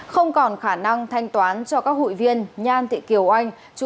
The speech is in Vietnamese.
không còn khả năng thanh toán cho các hụi viên nhan thị kiều anh